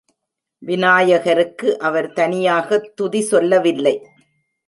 விநாயகருக்கு அவர் தனியாகத் துதி சொல்லவில்லை.